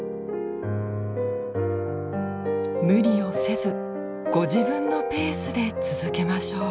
無理をせずご自分のペースで続けましょう。